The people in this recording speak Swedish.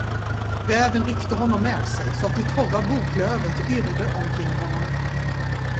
Räven ryckte honom med sig, så att det torra boklövet yrde omkring honom.